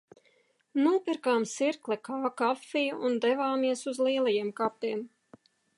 Nopirkām Circle K kafiju un devāmies uz Lielajiem kapiem.